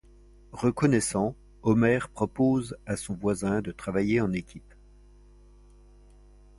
Reconnaissant, Homer propose à son voisin de travailler en équipe.